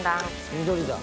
緑だ。